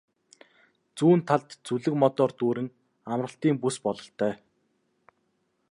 Зүүн талд зүлэг модоор дүүрэн амралтын бүс бололтой.